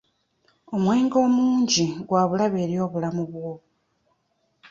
Omwenge omungi gwa bulabe eri obulamu bwo.